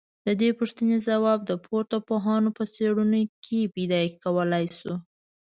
ددې پوښتني ځواب د پورته پوهانو په څېړنو کي پيدا کولای سو